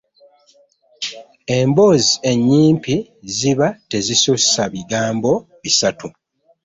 Emboozi ennyimpi ziba tezisussa bigambo bisatu.